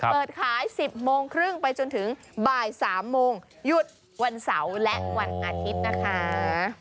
เปิดขาย๑๐โมงครึ่งไปจนถึงบ่าย๓โมงหยุดวันเสาร์และวันอาทิตย์นะคะ